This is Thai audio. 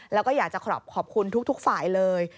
แล้วก็อยากจะขอบคุณทุกฝ่ายเลย